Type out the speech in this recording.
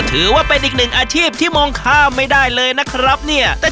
ถือว่าเป็นอีกหนึ่งอาชีพที่มองข้ามไม่ได้เลยนะครับเนี่ย